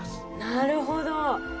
なるほど。